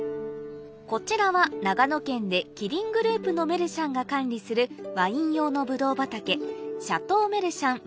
こちらは長野県でキリングループのメルシャンが管理するワイン用のブドウ畑